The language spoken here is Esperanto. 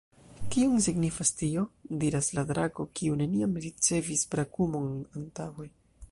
"Kion signifas tio?" diras la drako, kiu neniam ricevis brakumon antaŭe.